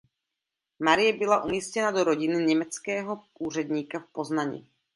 Marie byla umístěna do rodiny německého úředníka v Poznani.